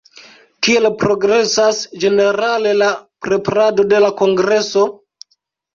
Kiel progresas ĝenerale la preparado de la kongreso?